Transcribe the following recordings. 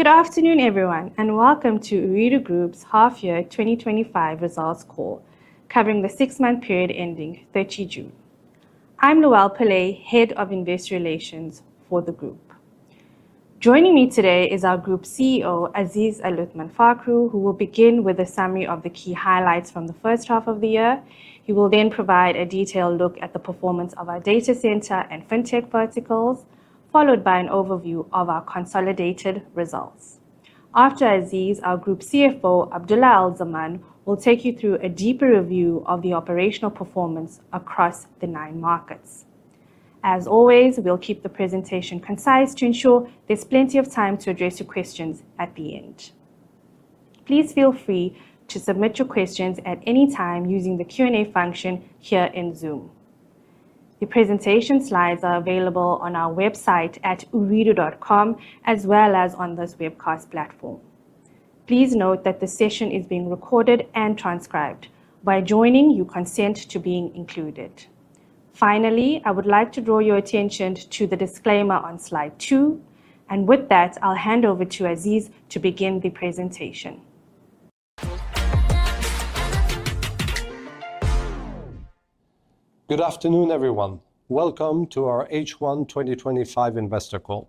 Good afternoon, everyone, and welcome to Ooredoo Group's half-year 2025 results call, covering the six-month period ending 30 June. I'm Luelle Pillay, Head of Investor Relations for the Group. Joining me today is our Group CEO, Aziz Aluthman Fakhroo, who will begin with a summary of the key highlights from the first half of the year. He will then provide a detailed look at the performance of our data center and verticals, followed by an overview of our consolidated results. After Aziz, our Group CFO, Abdulla Al Zaman, will take you through a deeper review of the operational performance across the nine markets. As always, we'll keep the presentation concise to ensure there's plenty of time to address your questions at the end. Please feel free to submit your questions at any time using the Q&A function here in Zoom. The presentation slides are available on our website at ooredoo.com, as well as on this webcast platform. Please note that the session is being recorded and transcribed. By joining, you consent to being included. Finally, I would like to draw your attention to the disclaimer on slide two, and with that, I'll hand over to Aziz to begin the presentation. Good afternoon, everyone. Welcome to our H1 2025 investor call.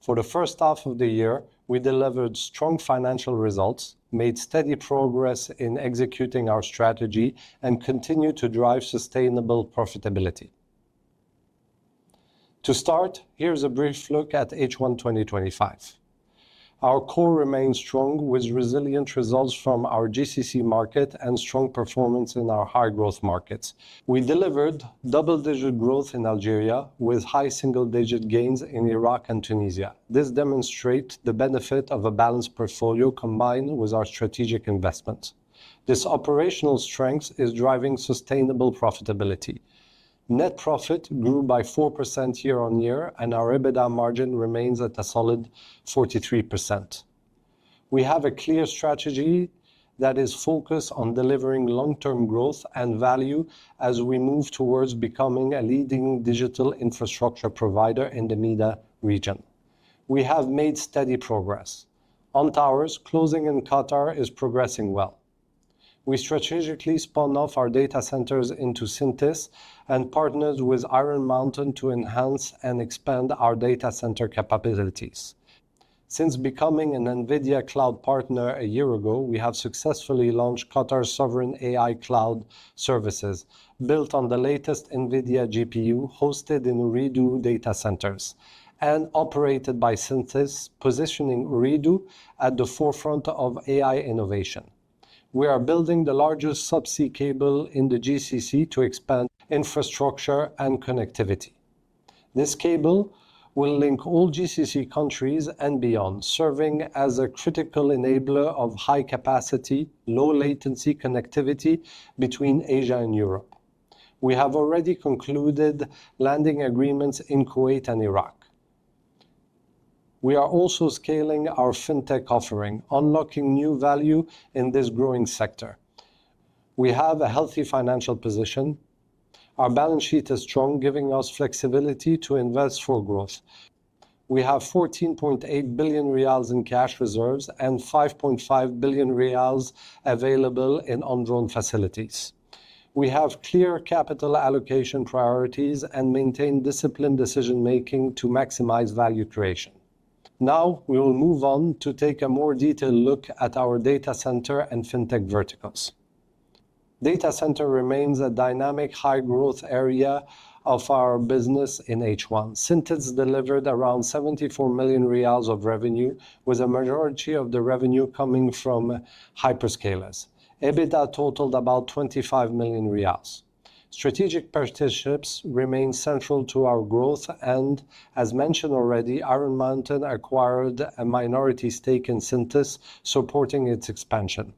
For the first half of the year, we delivered strong financial results, made steady progress in executing our strategy, and continue to drive sustainable profitability. To start, here's a brief look at H1 2025. Our core remains strong, with resilient results from our GCC market and strong performance in our high-growth markets. We delivered double-digit growth in Algeria, with high single-digit gains in Iraq and Tunisia. This demonstrates the benefit of a balanced portfolio combined with our strategic investments. This operational strength is driving sustainable profitability. Net profit grew by 4% year-on-year, and our EBITDA margin remains at a solid 43%. We have a clear strategy that is focused on delivering long-term growth and value as we move towards becoming a leading digital infrastructure provider in the MEDA region. We have made steady progress. On towers, closing in Qatar is progressing well. We strategically spun off our data centers into Syntys and partnered with Iron Mountain to enhance and expand our data center capabilities. Since becoming an NVIDIA Cloud partner a year ago, we have successfully launched Qatar's sovereign AI cloud services, built on the latest NVIDIA GPU, hosted in Ooredoo data centers, and operated by Syntys, positioning Ooredoo at the forefront of AI innovation. We are building the largest subsea cable in the GCC to expand infrastructure and connectivity. This cable will link all GCC countries and beyond, serving as a critical enabler of high-capacity, low-latency connectivity between Asia and Europe. We have already concluded landing agreements in Kuwait and Iraq. We are also scaling our offering, unlocking new value in this growing sector. We have a healthy financial position. Our balance sheet is strong, giving us flexibility to invest for growth. We have 14.8 billion riyals in cash reserves and 5.5 billion riyals available in on-drawn facilities. We have clear capital allocation priorities and maintain disciplined decision-making to maximize value creation. Now, we will move on to take a more detailed look at our data center and verticals. Data center remains a dynamic high-growth area of our business in H1. Syntys delivered around 74 million riyals of revenue, with a majority of the revenue coming from hyperscalers. EBITDA totaled about 25 million riyals. Strategic partnerships remain central to our growth, as mentioned already, Iron Mountain acquired a minority stake in Syntys, supporting its expansion.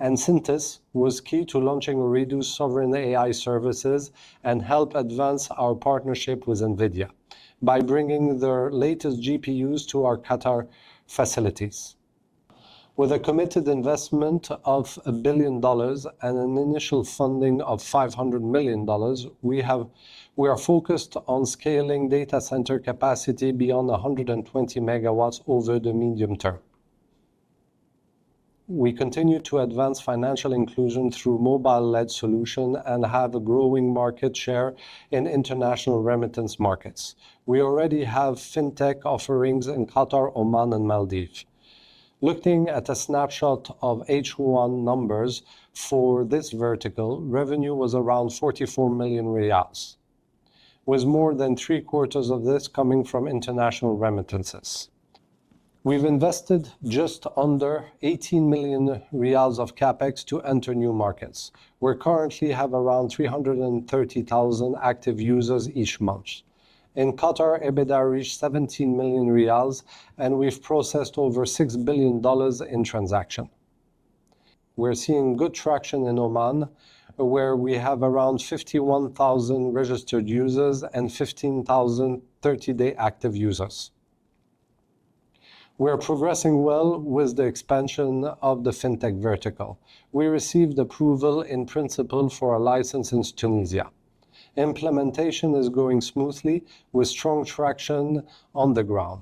Syntys was key to launching Ooredoo's sovereign AI cloud services and helped advance our partnership with NVIDIA by bringing their latest GPUs to our Qatar facilities. With a committed investment of $1 billion and an initial funding of $500 million, we are focused on scaling data center capacity beyond 120 MW over the medium term. We continue to advance financial inclusion through mobile-led solutions and have a growing market share in international remittances markets. We already have offerings in Qatar, Oman, and Maldives. Looking at a snapshot of H1 numbers for this vertical, revenue was around 44 million riyals, with more than three-quarters of this coming from international remittances. We've invested just under 18 million riyals of CapEx to enter new markets. We currently have around 330,000 active users each month. In Qatar, EBITDA reached 17 million riyals, and we've processed over $6 billion in transactions. We're seeing good traction in Oman, where we have around 51,000 registered users and 15,000 30-day active users. We're progressing well with the expansion of the vertical. We received approval in principle for a license in Tunisia. Implementation is going smoothly, with strong traction on the ground.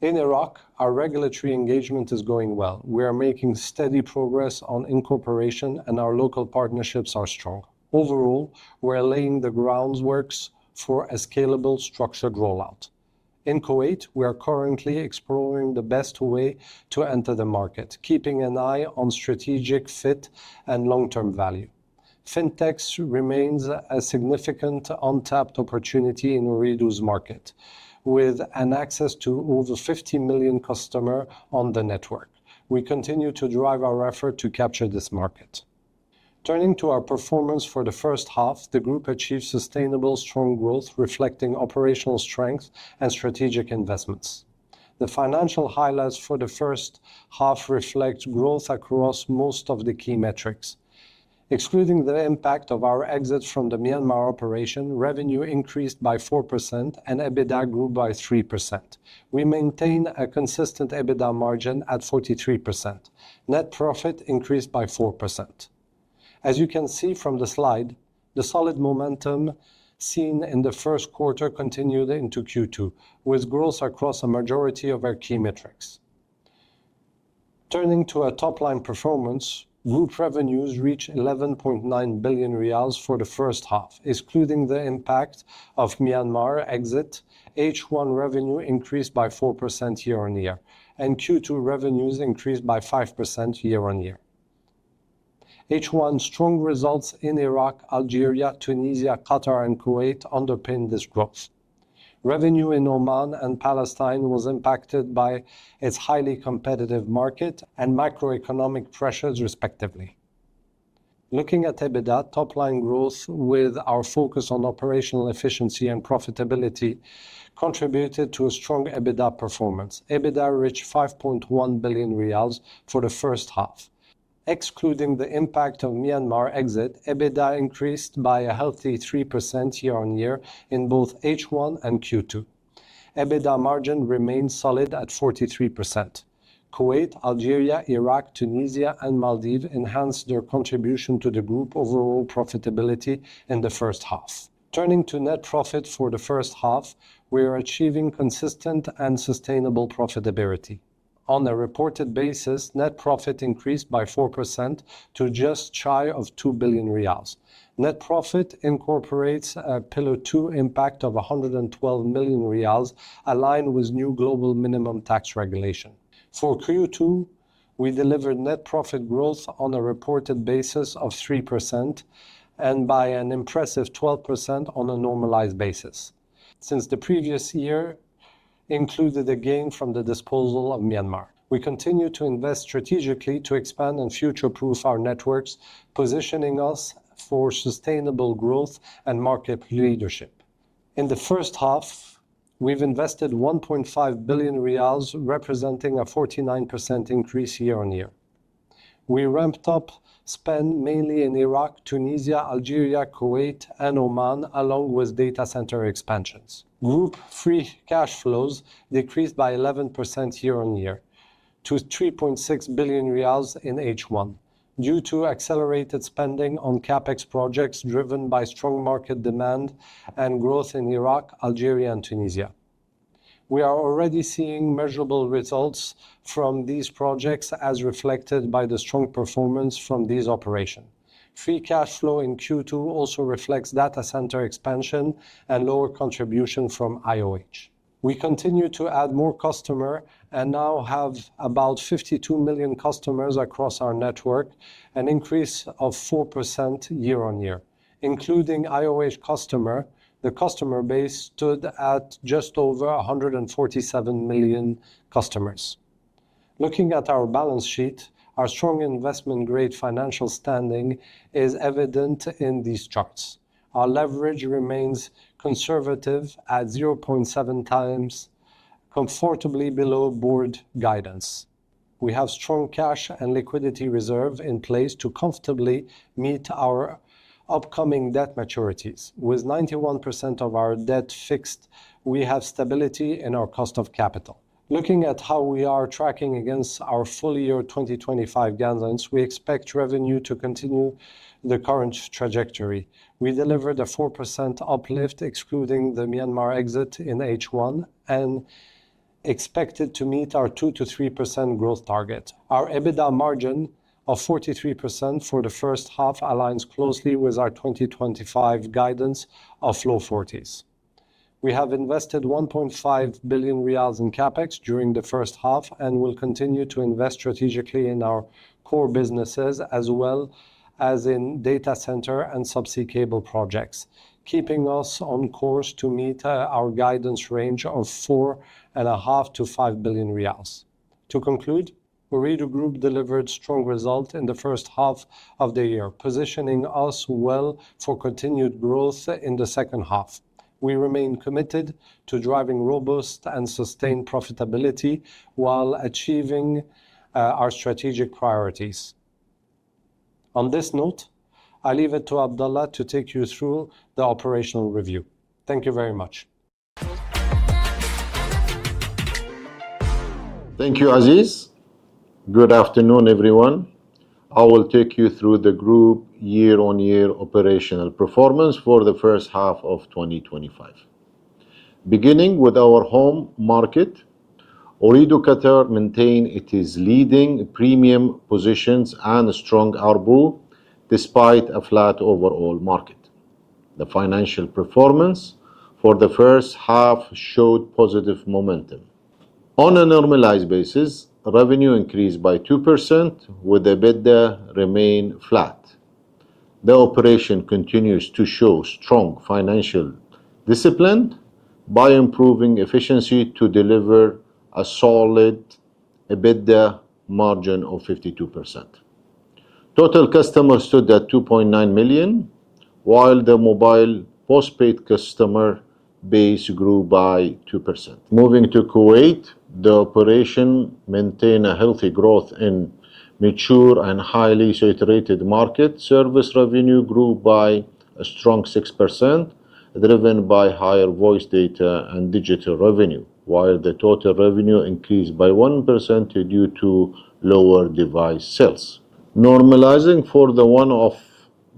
In Iraq, our regulatory engagement is going well. We are making steady progress on incorporation, and our local partnerships are strong. Overall, we're laying the groundwork for a scalable, structured rollout. In Kuwait, we are currently exploring the best way to enter the market, keeping an eye on strategic fit and long-term value. s remain a significant untapped opportunity in Ooredoo's market, with access to over 50 million customers on the network. We continue to drive our effort to capture this market. Turning to our performance for the first half, the Group achieved sustainable, strong growth, reflecting operational strength and strategic investments. The financial highlights for the first half reflect growth across most of the key metrics. Excluding the impact of our exit from the Myanmar operation, revenue increased by 4% and EBITDA grew by 3%. We maintain a consistent EBITDA margin at 43%. Net profit increased by 4%. As you can see from the slide, the solid momentum seen in the first quarter continued into Q2, with growth across a majority of our key metrics. Turning to our top-line performance, Group revenues reached 11.9 billion riyals for the first half, excluding the impact of the Myanmar exit. H1 revenue increased by 4% year-on-year, and Q2 revenues increased by 5% year-on-year. H1 strong results in Iraq, Algeria, Tunisia, Qatar, and Kuwait underpinned this growth. Revenue in Oman and Palestine was impacted by its highly competitive market and macroeconomic pressures, respectively. Looking at EBITDA, top-line growth, with our focus on operational efficiency and profitability, contributed to strong EBITDA performance. EBITDA reached 5.1 billion riyals for the first half. Excluding the impact of the Myanmar exit, EBITDA increased by a healthy 3% year-on-year in both H1 and Q2. EBITDA margin remained solid at 43%. Kuwait, Algeria, Iraq, Tunisia, and Maldives enhanced their contribution to the Group overall profitability in the first half. Turning to net profit for the first half, we are achieving consistent and sustainable profitability. On a reported basis, net profit increased by 4% to just shy of 2 billion riyals. Net profit incorporates a Pillar 2 impact of 112 million riyals, aligned with new global minimum tax regulation. For Q2, we delivered net profit growth on a reported basis of 3%. By an impressive 12% on a normalized basis, since the previous year. Included a gain from the disposal of Myanmar. We continue to invest strategically to expand and future-proof our networks, positioning us for sustainable growth and market leadership. In the first half, we've invested 1.5 billion riyals, representing a 49% increase year-on-year. We ramped up spend mainly in Iraq, Tunisia, Algeria, Kuwait, and Oman, along with data center expansions. Group free cash flows decreased by 11% year-on-year to 3.6 billion riyals in H1, due to accelerated spending on CapEx projects driven by strong market demand and growth in Iraq, Algeria, and Tunisia. We are already seeing measurable results from these projects, as reflected by the strong performance from these operations. Free cash flow in Q2 also reflects data center expansion and lower contribution from IOH Indonesia. We continue to add more customers and now have about 52 million customers across our network, an increase of 4% year-on-year. Including IOH Indonesia customers, the customer base stood at just over 147 million customers. Looking at our balance sheet, our strong investment-grade financial standing is evident in these charts. Our leverage remains conservative at 0.7 times, comfortably below board guidance. We have strong cash and liquidity reserves in place to comfortably meet our upcoming debt maturities. With 91% of our debt fixed, we have stability in our cost of capital. Looking at how we are tracking against our full year 2025 guidelines, we expect revenue to continue the current trajectory. We delivered a 4% uplift, excluding the Myanmar exit in H1, and expect to meet our 2% to 3% growth target. Our EBITDA margin of 43% for the first half aligns closely with our 2025 guidance of low 40s. We have invested 1.5 billion riyals in CapEx during the first half and will continue to invest strategically in our core businesses, as well as in data center and subsea cable projects, keeping us on course to meet our guidance range of 4.5 to 5 billion. To conclude, Ooredoo Group delivered strong results in the first half of the year, positioning us well for continued growth in the second half. We remain committed to driving robust and sustained profitability while achieving our strategic priorities. On this note, I leave it to Abdulla to take you through the operational review. Thank you very much. Thank you, Aziz. Good afternoon, everyone. I will take you through the Group year-on-year operational performance for the first half of 2025. Beginning with our home market, Ooredoo Qatar maintains its leading premium positions and a strong output despite a flat overall market. The financial performance for the first half showed positive momentum. On a normalized basis, revenue increased by 2%, with EBITDA remaining flat. The operation continues to show strong financial discipline by improving efficiency to deliver a solid EBITDA margin of 52%. Total customers stood at 2.9 million, while the mobile postpaid customer base grew by 2%. Moving to Kuwait, the operation maintained healthy growth in mature and highly saturated markets. Service revenue grew by a strong 6%, driven by higher voice, data, and digital revenue, while the total revenue increased by 1% due to lower device sales. Normalizing for the one-off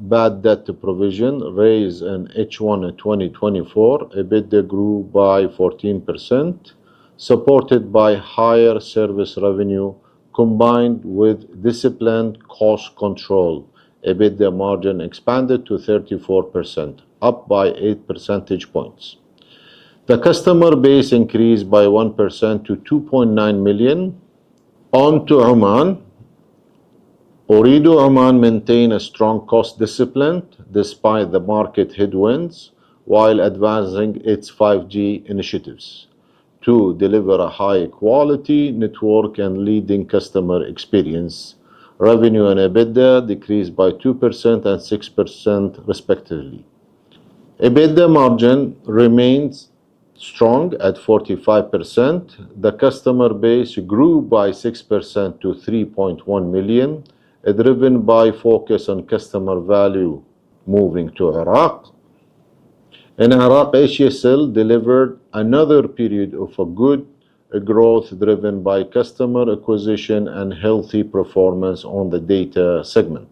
bad debt provision raised in H1 2024, EBITDA grew by 14%. Supported by higher service revenue combined with disciplined cost control, EBITDA margin expanded to 34%, up by 8 percentage points. The customer base increased by 1% to 2.9 million. On to Oman. Ooredoo Oman maintained strong cost discipline despite the market headwinds while advancing its 5G initiatives. To deliver a high-quality network and leading customer experience, revenue and EBITDA decreased by 2% and 6%, respectively. EBITDA margin remained strong at 45%. The customer base grew by 6% to 3.1 million, driven by focus on customer value moving to Iraq. In Iraq, HSL delivered another period of good growth, driven by customer acquisition and healthy performance on the data segment.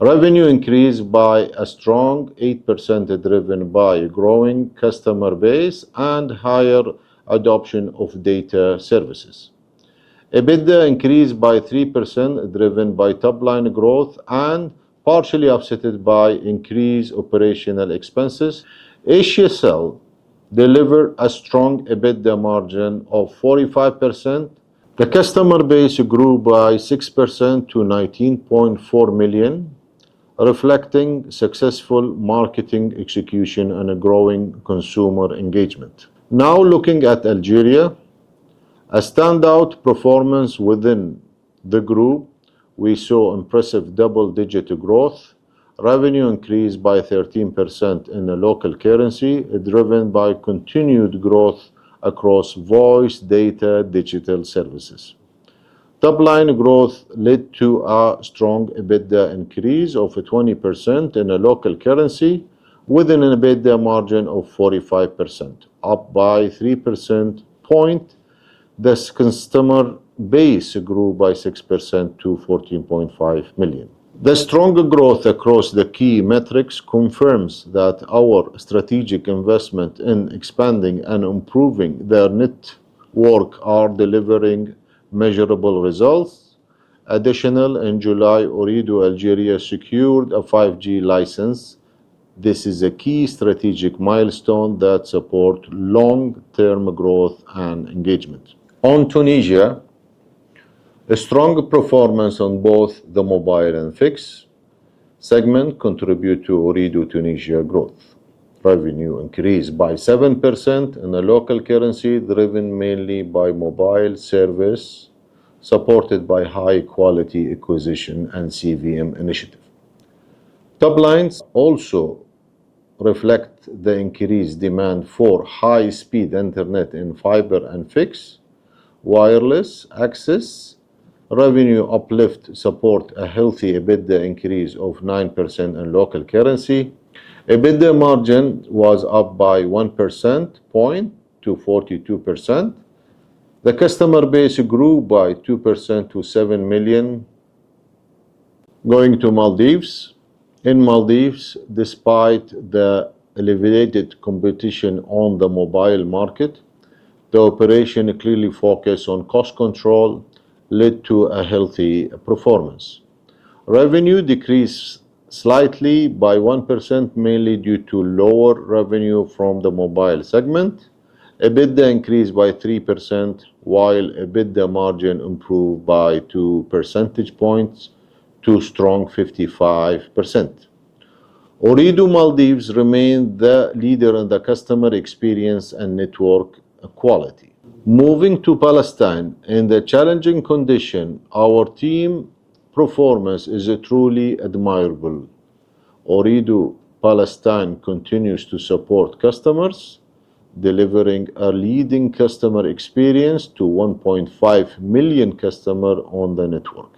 Revenue increased by a strong 8%, driven by growing customer base and higher adoption of data services. EBITDA increased by 3%, driven by top-line growth and partially offset by increased operational expenses. HSL delivered a strong EBITDA margin of 45%. The customer base grew by 6% to 19.4 million, reflecting successful marketing execution and growing consumer engagement. Now looking at Algeria. A standout performance within the Group, we saw impressive double-digit growth. Revenue increased by 13% in the local currency, driven by continued growth across voice, data, digital services. Top-line growth led to a strong EBITDA increase of 20% in the local currency, with an EBITDA margin of 45%, up by 3 percentage points. The customer base grew by 6% to 14.5 million. The strong growth across the key metrics confirms that our strategic investment in expanding and improving their network is delivering measurable results. Additionally, in July, Ooredoo Algeria secured a 5G license. This is a key strategic milestone that supports long-term growth and engagement. On Tunisia. A strong performance on both the mobile and fixed segment contributed to Ooredoo Tunisia's growth. Revenue increased by 7% in the local currency, driven mainly by mobile service, supported by high-quality acquisition and CVM initiative. Top lines also reflect the increased demand for high-speed internet in fiber and fixed wireless access. Revenue uplift supported a healthy EBITDA increase of 9% in local currency. EBITDA margin was up by 1 percentage point to 42%. The customer base grew by 2% to 7 million. Going to Maldives. In Maldives, despite the elevated competition on the mobile market, the operation clearly focused on cost control, led to a healthy performance. Revenue decreased slightly by 1%, mainly due to lower revenue from the mobile segment. EBITDA increased by 3%, while EBITDA margin improved by 2 percentage points to a strong 55%. Ooredoo Maldives remained the leader in customer experience and network quality. Moving to Palestine, in the challenging conditions, our team. Performance is truly admirable. Ooredoo Palestine continues to support customers, delivering a leading customer experience to 1.5 million customers on the network.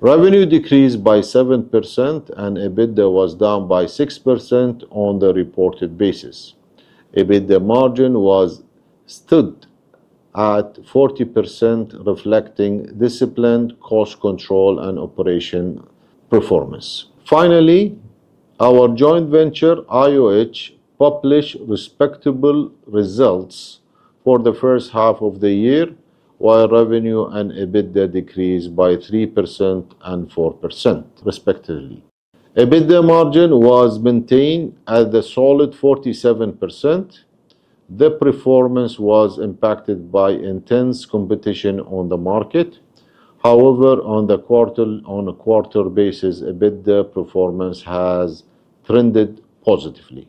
Revenue decreased by 7%, and EBITDA was down by 6% on the reported basis. EBITDA margin stood at 40%, reflecting disciplined cost control and operation performance. Finally, our joint venture, IOH Indonesia, published respectable results for the first half of the year, while revenue and EBITDA decreased by 3% and 4%, respectively. EBITDA margin was maintained at a solid 47%. The performance was impacted by intense competition on the market. However, on a quarter-on-quarter basis, EBITDA performance has trended positively.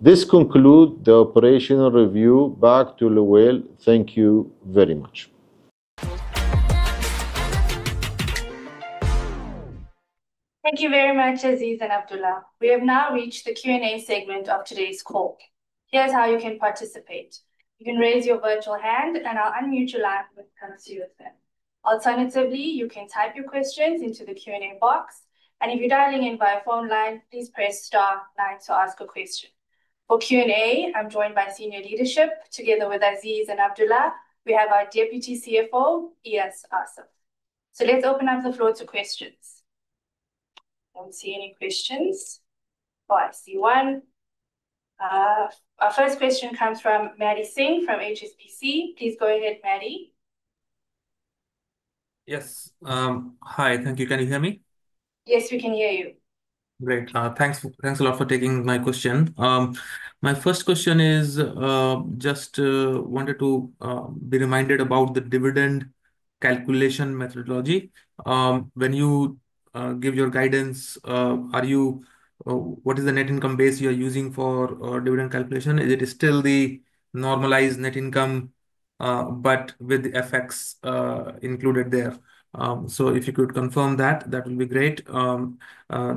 This concludes the operational review. Back to Luelle. Thank you very much. Thank you very much, Aziz and Abdulla. We have now reached the Q&A segment of today's call. Here's how you can participate. You can raise your virtual hand, and I'll unmute your line when it comes to you as well. Alternatively, you can type your questions into the Q&A box. If you're dialing in via phone line, please press star nine to ask a question. For Q&A, I'm joined by senior leadership. Together with Aziz and Abdulla, we have our Deputy CFO, Eyas Naif Assaf. Let's open up the floor to questions. Don't see any questions. Oh, I see one. Our first question comes from Maddy Singh from HSBC. Please go ahead, Maddy. Yes. Hi. Thank you. Can you hear me? Yes, we can hear you. Great. Thanks a lot for taking my question. My first question is, just wanted to be reminded about the dividend calculation methodology. When you give your guidance, what is the net income base you're using for dividend calculation? Is it still the normalized net income but with the FX included there? If you could confirm that, that would be great. The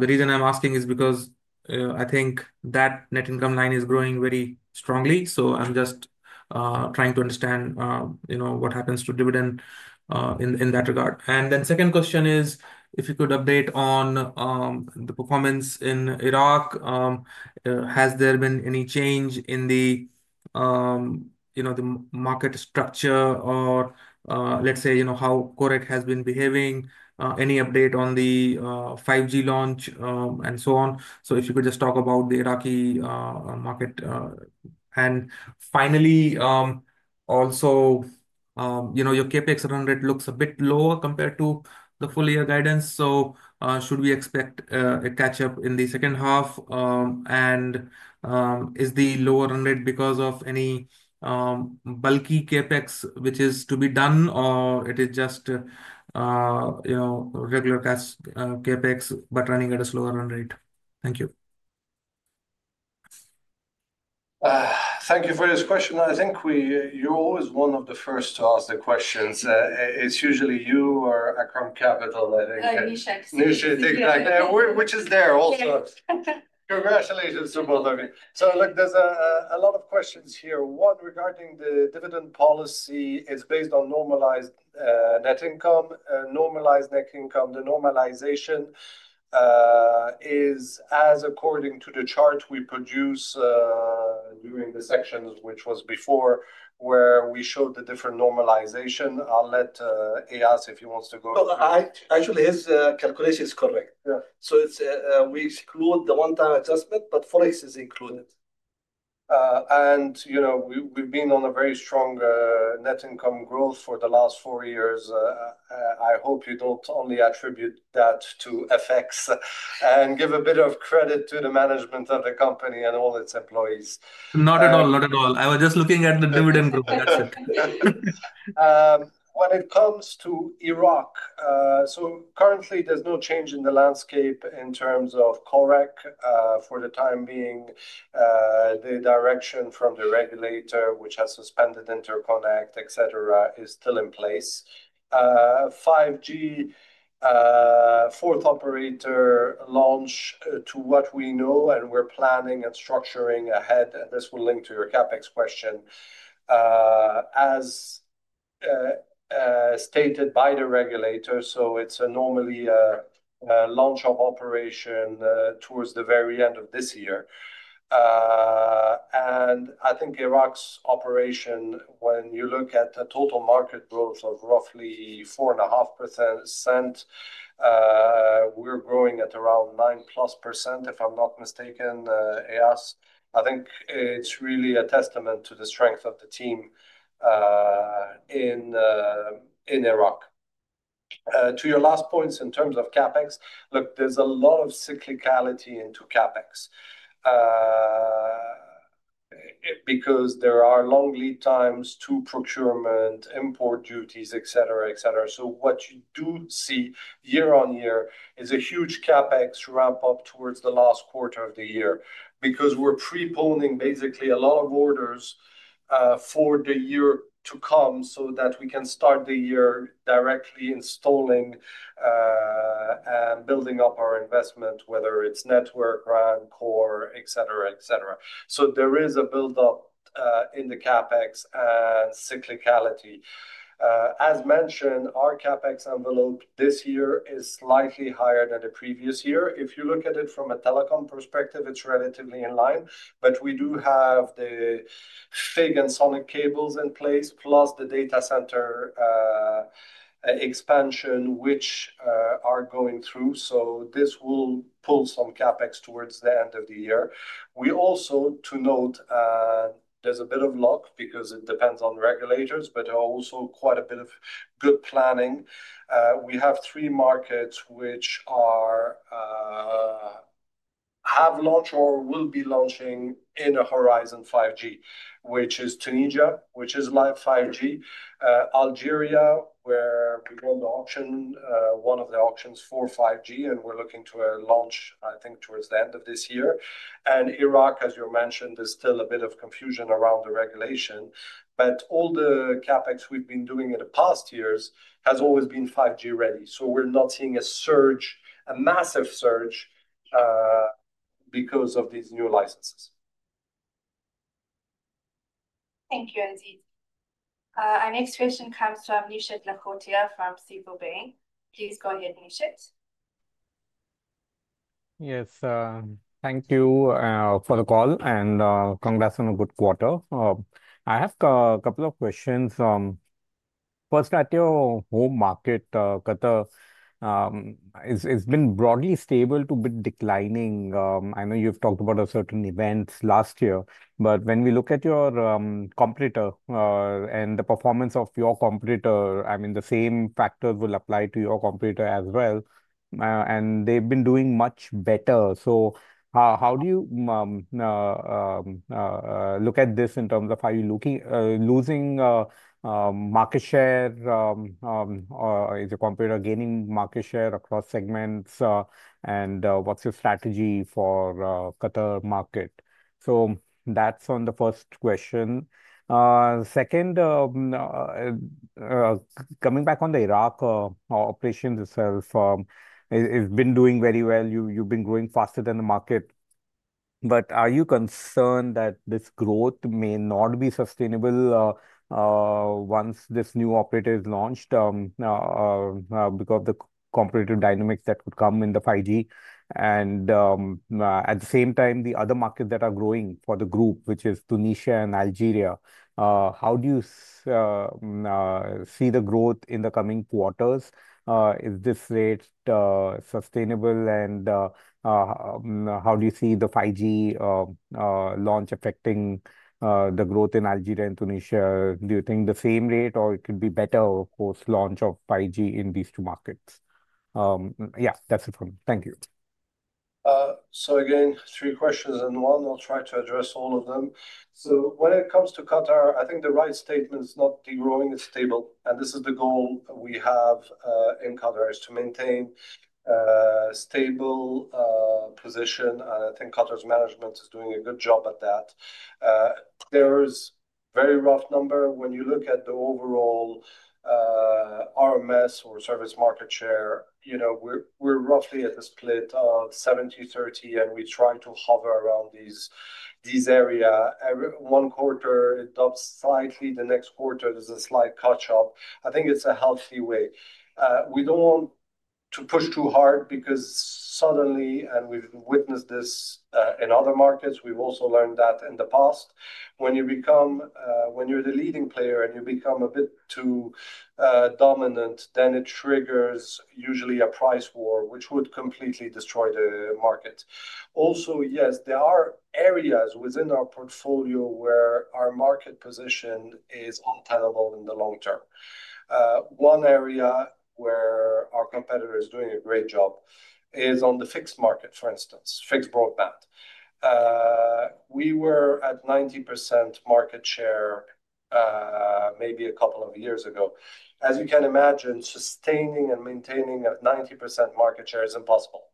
reason I'm asking is because I think that net income line is growing very strongly. I'm just trying to understand what happens to dividend in that regard. The second question is, if you could update on the performance in Iraq. Has there been any change in the market structure or, let's say, how Korec has been behaving? Any update on the 5G launch and so on? If you could just talk about the Iraqi market. Finally, your CapEx run rate looks a bit lower compared to the full year guidance. Should we expect a catch-up in the second half? Is the lower run rate because of any bulky CapEx which is to be done, or is it just regular. CapEx but running at a slower run rate? Thank you. Thank you for this question. I think you're always one of the first to ask the questions. It's usually you or Arqaam Capital, I think. Nishit. Nishit, exactly. Which is there also. Congratulations to both of you. Look, there's a lot of questions here. One, regarding the dividend policy, it's based on normalized net income. Normalized net income, the normalization is as according to the chart we produce during the sections, which was before, where we showed the different normalization. I'll let Eyas, if he wants to go. Actually, his calculation is correct. We exclude the one-time adjustment, but FX is included. We've been on a very strong net income growth for the last four years. I hope you don't only attribute that to FX and give a bit of credit to the management of the company and all its employees. Not at all, not at all. I was just looking at the dividend group. That's it. When it comes to Iraq, currently, there's no change in the landscape in terms of Korec for the time being. The direction from the regulator, which has suspended interconnect, etc., is still in place. 5G, fourth operator launch to what we know, and we're planning and structuring ahead. This will link to your CapEx question. As stated by the regulator, it's normally a launch of operation towards the very end of this year. I think Iraq's operation, when you look at the total market growth of roughly 4.5%, we're growing at around 9% plus, if I'm not mistaken, Eyas. I think it's really a testament to the strength of the team in Iraq. To your last points in terms of CapEx, there's a lot of cyclicality into CapEx because there are long lead times to procurement, import duties, etc. What you do see year on year is a huge CapEx ramp-up towards the last quarter of the year because we're preponing basically a lot of orders for the year to come so that we can start the year directly installing and building up our investment, whether it's network, RAN, core, etc. There is a build-up in the CapEx and cyclicality. As mentioned, our CapEx envelope this year is slightly higher than the previous year. If you look at it from a telecom perspective, it's relatively in line. We do have the Fig and Sonic cables in place, plus the data center expansion, which are going through. This will pull some CapEx towards the end of the year. We also, to note. There's a bit of luck because it depends on regulators, but also quite a bit of good planning. We have three markets which have launched or will be launching in a horizon 5G, which is Tunisia, which is live 5G, Algeria, where we won the auction, one of the auctions for 5G, and we're looking to launch, I think, towards the end of this year, and Iraq, as you mentioned, there's still a bit of confusion around the regulation. All the CapEx we've been doing in the past years has always been 5G ready, so we're not seeing a surge, a massive surge, because of these new licenses. Thank you, Aziz. Our next question comes from Nishit Lakhotia from SICO Bank. Please go ahead, Nishat. Yes, thank you for the call and congrats on a good quarter. I have a couple of questions. First, at your home market, Qatar, has been broadly stable to a bit declining. I know you've talked about a certain event last year, but when we look at your competitor and the performance of your competitor, I mean, the same factors will apply to your competitor as well, and they've been doing much better. How do you look at this in terms of how you're losing market share? Is your competitor gaining market share across segments? What's your strategy for Qatar market? That's on the first question. Second, coming back on the Iraq operations itself, it's been doing very well. You've been growing faster than the market, but are you concerned that this growth may not be sustainable once this new operator is launched because of the competitive dynamics that could come in the 5G? At the same time, the other markets that are growing for the group, which is Tunisia and Algeria, how do you see the growth in the coming quarters? Is this rate sustainable? How do you see the 5G launch affecting the growth in Algeria and Tunisia? Do you think the same rate, or it could be better, post-launch of 5G in these two markets? That's it from me. Thank you. Again, three questions in one. I'll try to address all of them. When it comes to Qatar, I think the right statement is not the growing is stable, and this is the goal we have in Qatar, is to maintain a stable position. I think Qatar's management is doing a good job at that. There's a very rough number. When you look at the overall RMS or service market share, we're roughly at a split of 70-30, and we try to hover around these areas. One quarter, it drops slightly. The next quarter, there's a slight catch-up. I think it's a healthy way. We don't want to push too hard because suddenly, and we've witnessed this in other markets, we've also learned that in the past. When you're the leading player and you become a bit too dominant, then it triggers usually a price war, which would completely destroy the market. Also, yes, there are areas within our portfolio where our market position is untenable in the long term. One area where our competitor is doing a great job is on the fixed market, for instance, fixed broadband. We were at 90% market share maybe a couple of years ago. As you can imagine, sustaining and maintaining a 90% market share is impossible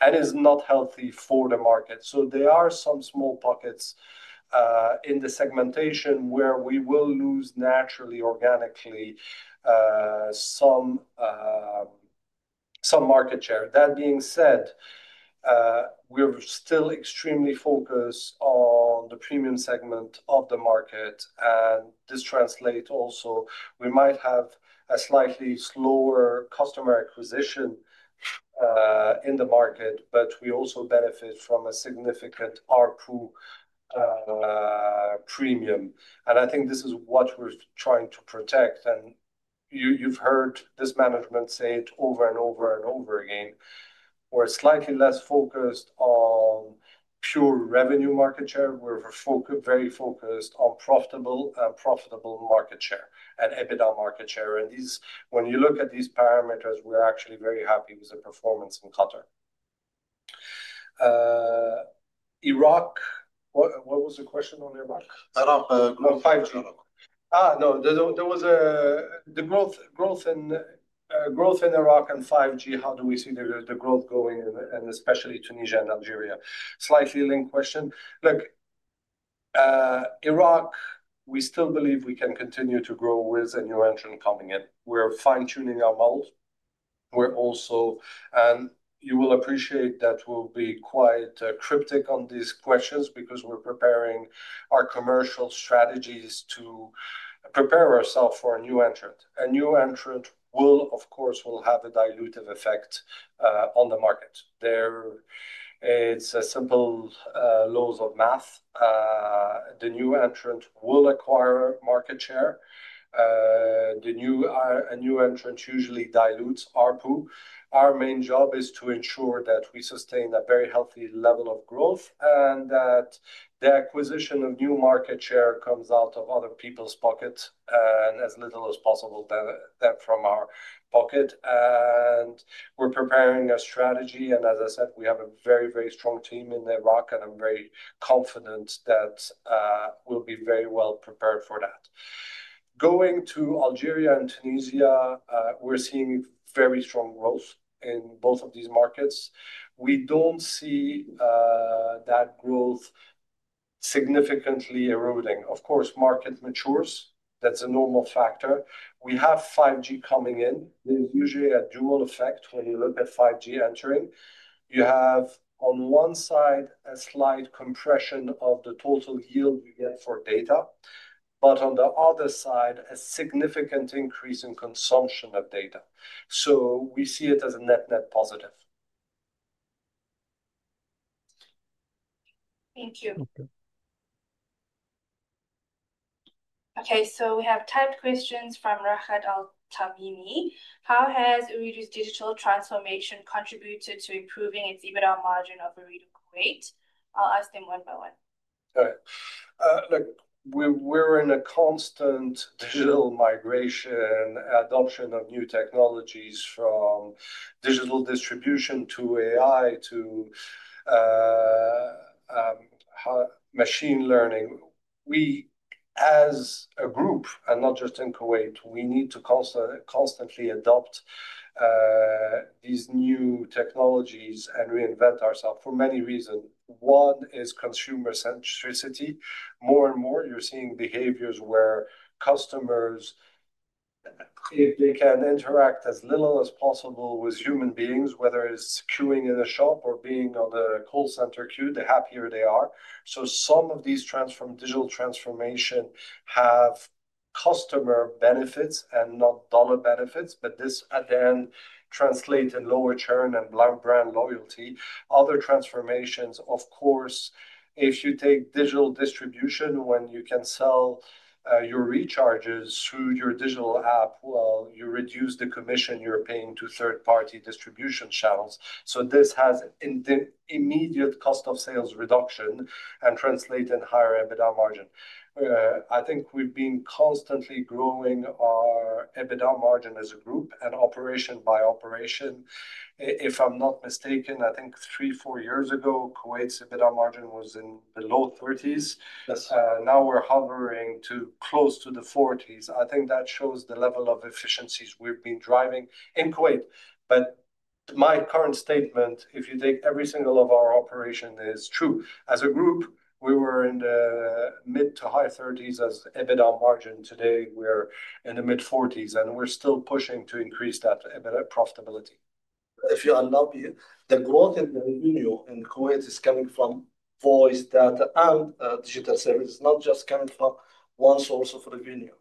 and is not healthy for the market. There are some small pockets in the segmentation where we will lose naturally, organically, some market share. That being said, we're still extremely focused on the premium segment of the market. This translates also, we might have a slightly slower customer acquisition in the market, but we also benefit from a significant ARPU premium. I think this is what we're trying to protect. You've heard this management say it over and over and over again. We're slightly less focused on pure revenue market share. We're very focused on profitable market share and EBITDA market share. When you look at these parameters, we're actually very happy with the performance in Qatar. Iraq. What was the question on Iraq? Iraq. 5G. No, there was the growth in Iraq and 5G. How do we see the growth going, and especially Tunisia and Algeria? Slightly linked question. Look, Iraq, we still believe we can continue to grow with a new entrant coming in. We're fine-tuning our model. You will appreciate that we'll be quite cryptic on these questions because we're preparing our commercial strategies to prepare ourselves for a new entrant. A new entrant will, of course, have a dilutive effect on the market. It's a simple law of math. The new entrant will acquire market share. A new entrant usually dilutes ARPU. Our main job is to ensure that we sustain a very healthy level of growth and that the acquisition of new market share comes out of other people's pockets and as little as possible from our pocket. We're preparing a strategy. As I said, we have a very, very strong team in Iraq, and I'm very confident that we'll be very well prepared for that. Going to Algeria and Tunisia, we're seeing very strong growth in both of these markets. We don't see. That growth significantly eroding. Of course, market matures. That's a normal factor. We have 5G coming in. There's usually a dual effect when you look at 5G entering. You have, on one side, a slight compression of the total yield you get for data, but on the other side, a significant increase in consumption of data. We see it as a net-net positive. Thank you. Okay, we have typed questions from Raghad Al Tamimi. How has Ooredoo's digital transformation contributed to improving its EBITDA margin of Ooredoo Kuwait? I'll ask them one by one. All right. Look, we're in a constant digital migration, adoption of new technologies from digital distribution to AI to machine learning. We, as a group, and not just in Kuwait, we need to constantly adopt these new technologies and reinvent ourselves for many reasons. One is consumer centricity. More and more, you're seeing behaviors where customers can interact as little as possible with human beings, whether it's queuing in a shop or being on the call center queue, the happier they are. Some of these digital transformations have customer benefits and not dollar benefits, but this, at the end, translates in lower churn and brand loyalty. Other transformations, of course, if you take digital distribution, when you can sell your recharges through your digital app, you reduce the commission you're paying to third-party distribution channels. This has an immediate cost of sales reduction and translates in higher EBITDA margin. I think we've been constantly growing our EBITDA margin as a group and operation by operation. If I'm not mistaken, I think three, four years ago, Kuwait's EBITDA margin was in the low 30s. Now we're hovering close to the 40s. I think that shows the level of efficiencies we've been driving in Kuwait. My current statement, if you take every single one of our operations, is true. As a group, we were in the mid to high 30s as EBITDA margin. Today, we're in the mid 40s, and we're still pushing to increase that profitability. If you unwrap it, the growth in revenue in Kuwait is coming from voice data and digital services, not just coming from one source of revenue.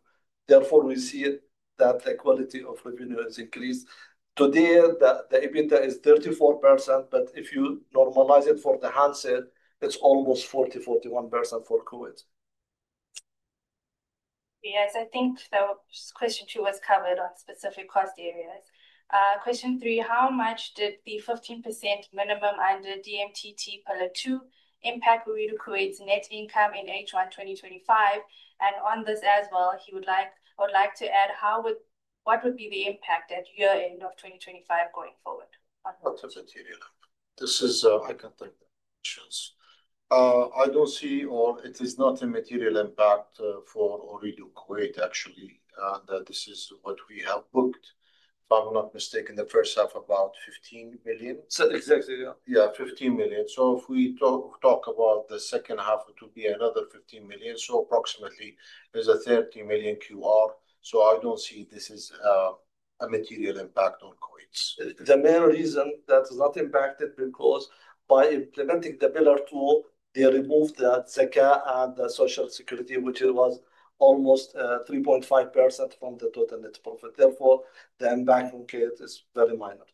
Therefore, we see that the quality of revenue has increased. Today, the EBITDA is 34%, but if you normalize it for the handset, it's almost 40, 41% for Kuwait. I think the question two was covered on specific cost areas. Question three, how much did the 15% minimum under DMTT PillarII impact Ooredoo Kuwait's net income in H1 2025? On this as well, he would like to add how. What would be the impact at year-end of 2025 going forward? Relatively material. This is, I can think. Questions. I don't see, or it is not a material impact for Ooredoo Kuwait, actually, that this is what we have booked. If I'm not mistaken, the first half, about QR 15 million. Exactly, yeah. Yeah, QR 15 million. If we talk about the second half, it would be another QR 15 million. Approximately, there's a QR 30 million. I don't see this as a material impact on Kuwait. The main reason that is not impacted is because by implementing the Pillar II, they removed the Zakat and the Social Security, which was almost 3.5% from the total net profit. Therefore, the impact on Kuwait is very minor.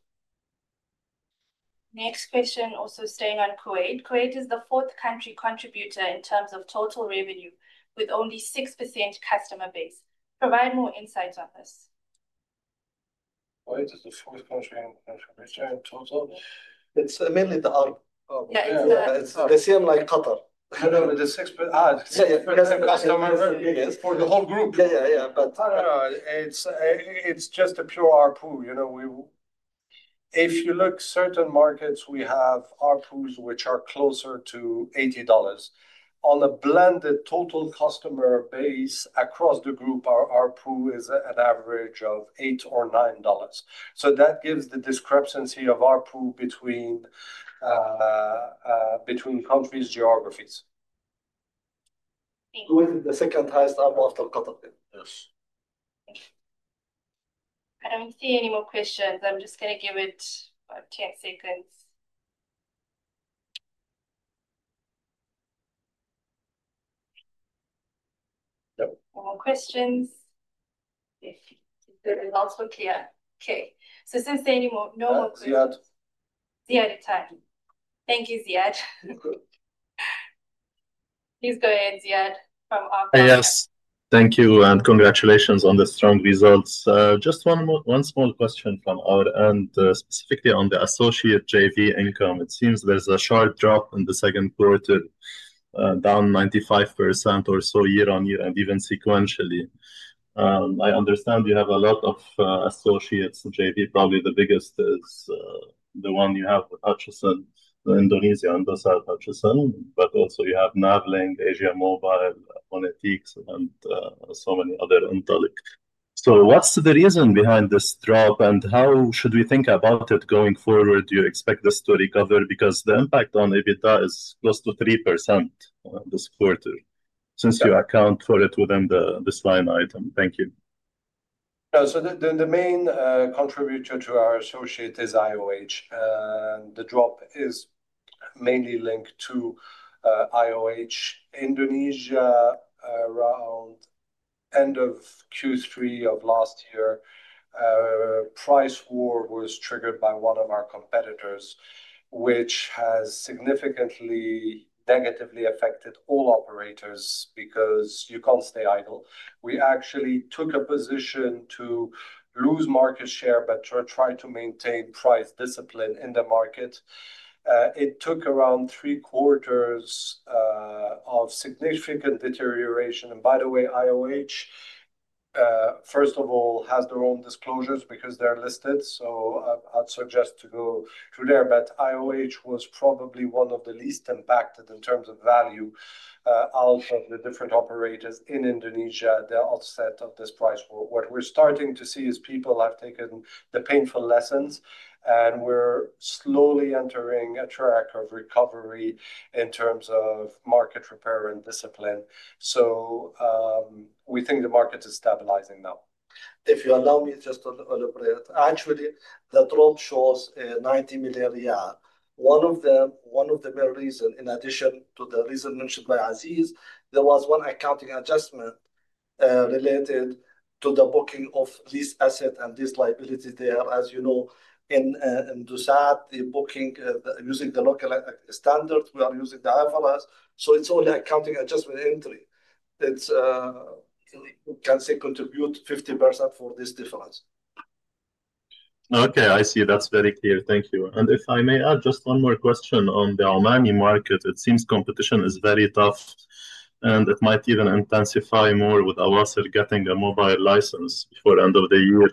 Next question, also staying on Kuwait. Kuwait is the fourth country contributor in terms of total revenue, with only 6% customer base. Provide more insights on this. Kuwait is the fourth country in returning total. It's mainly the ARPU. Yeah. It's the same like Qatar. No, no, it's a sixth customer for the whole group. Yeah, yeah, yeah. It's just a pure ARPU. If you look at certain markets, we have ARPUs which are closer to $80. On a blended total customer base across the group, our ARPU is an average of $8 or $9. That gives the discrepancy of ARPU between countries, geographies. Kuwait is the second highest after Qatar. I don't see any more questions. I'm just going to give it 10 seconds. No more questions. Is the results clear? Okay. Since there are no more questions. Ziad. Ziad Itani. Thank you, Ziad. Please go ahead, Ziad, from our side. Yes. Thank you. Congratulations on the strong results. Just one small question from our end, specifically on the associate/JV income. It seems there's a sharp drop in the second quarter, down 95% or so year on year and even sequentially. I understand you have a lot of associates. JV, probably the biggest is the one you have with Hutchison, Indonesia, Indosat Ooredoo Hutchison. Also you have NavLink, Asia Mobile, Phonetics, and so many other intellect. What's the reason behind this drop? How should we think about it going forward? Do you expect this to recover? The impact on EBITDA is close to 3% this quarter since you account for it within this line item. Thank you. The main contributor to our associate is IOH. The drop is mainly linked to IOH. Indonesia. Around end of Q3 of last year, a price war was triggered by one of our competitors, which has significantly negatively affected all operators because you can't stay idle. We actually took a position to lose market share but try to maintain price discipline in the market. It took around three quarters of significant deterioration. By the way, IOH, first of all, has their own disclosures because they're listed. I'd suggest to go through there. IOH was probably one of the least impacted in terms of value out of the different operators in Indonesia, the offset of this price war. What we're starting to see is people have taken the painful lessons, and we're slowly entering a track of recovery in terms of market repair and discipline. We think the market is stabilizing now. If you allow me just to elaborate, actually, the drop shows a 90 million. One of the main reasons, in addition to the reason mentioned by Aziz, there was one accounting adjustment related to the booking of lease asset and lease liability there. As you know, in IOH, the booking using the local standard, we are using the IFRS. It's only an accounting adjustment entry. It can contribute 50% for this difference. Okay, I see. That's very clear. Thank you. If I may add just one more question on the Oman market, it seems competition is very tough, and it might even intensify more with Awasr getting a mobile license before the end of the year.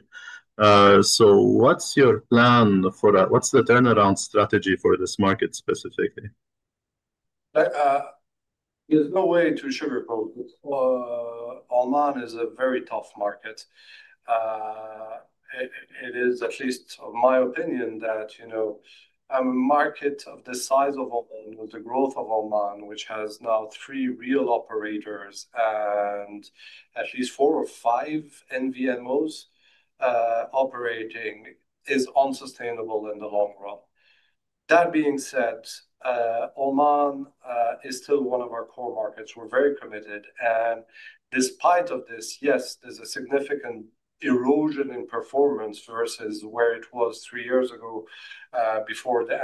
What's your plan for that? What's the turnaround strategy for this market specifically? There's no way to sugarcoat it. Oman is a very tough market. It is, at least in my opinion, that a market of the size of Oman, with the growth of Oman, which has now three real operators and at least four or five MVNOs operating, is unsustainable in the long run. That being said, Oman is still one of our core markets. We're very committed. Despite this, yes, there's a significant erosion in performance versus where it was three years ago before the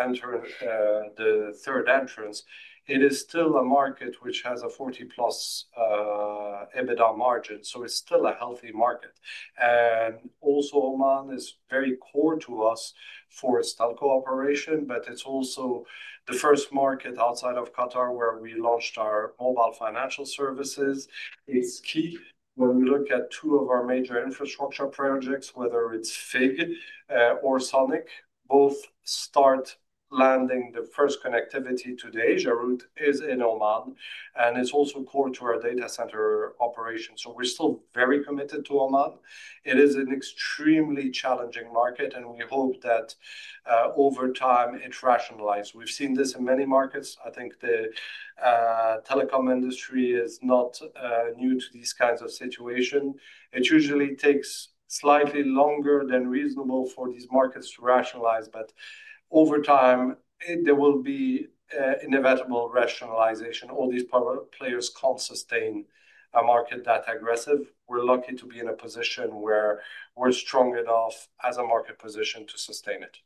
third entrant. It is still a market which has a 40+% EBITDA margin, so it's still a healthy market. Also, Oman is very core to us for a stealth cooperation, but it's also the first market outside of Qatar where we launched our mobile financial services. It's key when we look at two of our major infrastructure projects, whether it's FIG or Sonic, both start landing the first connectivity to the Asia route is in Oman. It's also core to our data center operation. We're still very committed to Almami. It is an extremely challenging market, and we hope that over time, it rationalizes. We've seen this in many markets. I think the telecom industry is not new to these kinds of situations. It usually takes slightly longer than reasonable for these markets to rationalize. Over time, there will be inevitable rationalization. All these players can't sustain a market that aggressive. We're lucky to be in a position where we're strong enough as a market position to sustain it.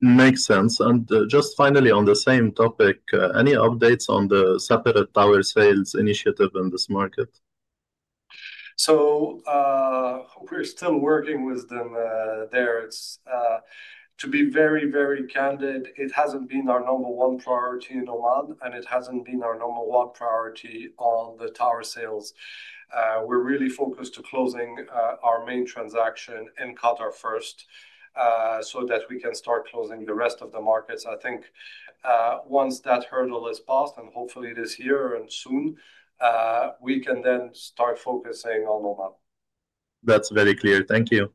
Makes sense. Finally, on the same topic, any updates on the separate tower sales initiative in this market? We're still working with them there. To be very, very candid, it hasn't been our number one priority in Oman, and it hasn't been our number one priority on the tower sales. We're really focused on closing our main transaction in Qatar first so that we can start closing the rest of the markets. I think once that hurdle is passed, and hopefully this year and soon, we can then start focusing on Oman. That's very clear. Thank you.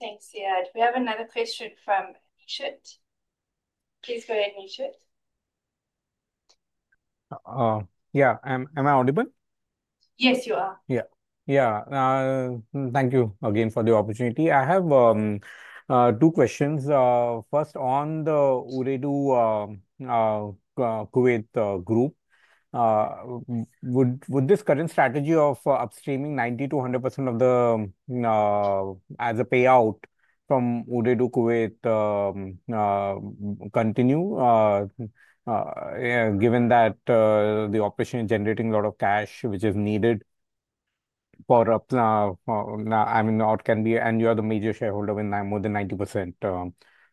Thanks, Ziad. We have another question from Nishit. Please go ahead, Nishit. Yeah, am I audible? Yes, you are. Yeah. Thank you again for the opportunity. I have two questions. First, on the Ooredoo Kuwait group. Would this current strategy of upstreaming 90 to 100% of the payout from Ooredoo Kuwait continue? Given that the operation is generating a lot of cash, which is needed for, I mean, what can be, and you are the major shareholder with more than 90%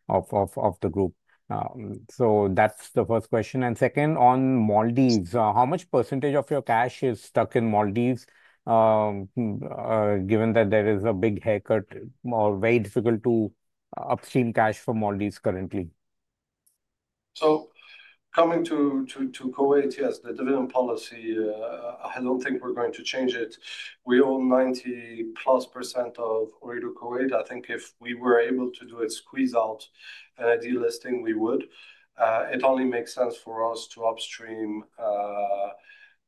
of the group. That's the first question. Second, on Maldives, how much percentage of your cash is stuck in Maldives, given that there is a big haircut or very difficult to upstream cash from Maldives currently. Coming to Kuwait, yes, the dividend policy, I don't think we're going to change it. We own 90+% of Ooredoo Kuwait. If we were able to do a squeeze-out and a delisting, we would. It only makes sense for us to upstream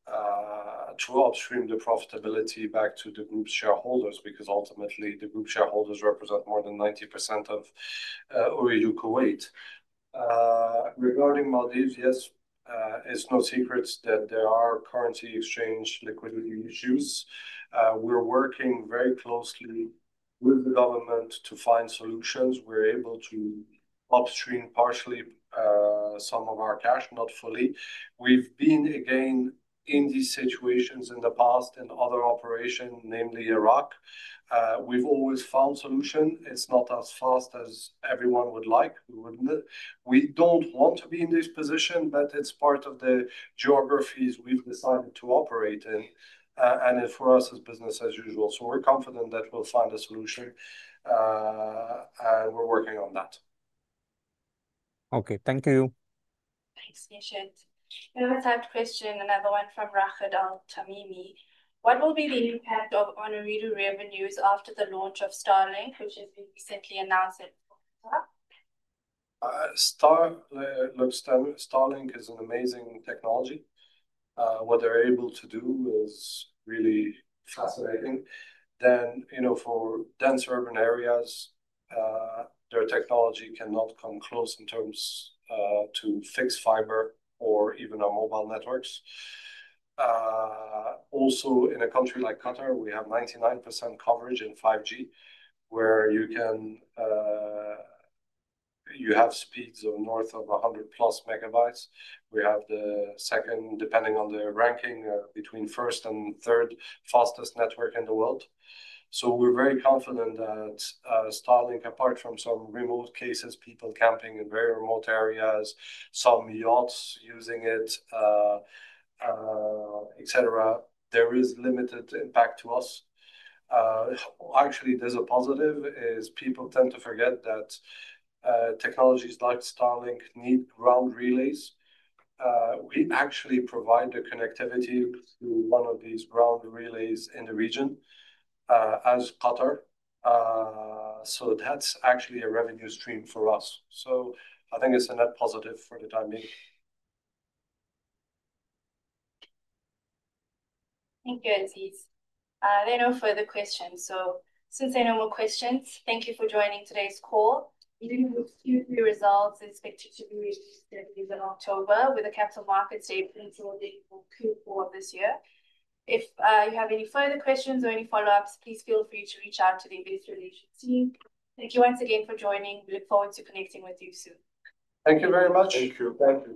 the profitability back to the group shareholders because ultimately, the group shareholders represent more than 90% of Ooredoo Kuwait. Regarding Maldives, yes, it's no secret that there are currency exchange liquidity issues. We're working very closely with the government to find solutions. We're able to upstream partially some of our cash, not fully. We've been, again, in these situations in the past in other operations, namely Iraq. We've always found solutions. It's not as fast as everyone would like. We don't want to be in this position, but it's part of the geographies we've decided to operate in. For us, it's business as usual. We're confident that we'll find a solution, and we're working on that. Okay, thank you. Thanks, Nishit. Another question, another one from Raghad Al Tamimi. What will be the impact of honorary revenues after the launch of Starlink, which has been recently announced in Qatar? Starlink is an amazing technology. What they're able to do is really fascinating. For dense urban areas, their technology cannot come close in terms of fixed fiber or even mobile networks. Also, in a country like Qatar, we have 99% coverage in 5G, where you can have speeds of north of 100 plus MB. We have the second, depending on the ranking, between first and third fastest network in the world. We're very confident that Starlink, apart from some remote cases, people camping in very remote areas, some yachts using it, etc., there is limited impact to us. Actually, there's a positive: people tend to forget that technologies like Starlink need ground relays. We actually provide the connectivity to one of these ground relays in the region, as Qatar. That's actually a revenue stream for us. I think it's a net positive for the timing. Thank you, Aziz. There are no further questions. Since there are no more questions, thank you for joining today's call. We do hope to see results expected to be released in October with a capital markets data for Q4 of this year. If you have any further questions or any follow-ups, please feel free to reach out to the investor relation team. Thank you once again for joining. We look forward to connecting with you soon. Thank you very much. Thank you. Thank you.